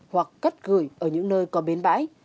hoặc cất gửi ở những nơi có biến bãi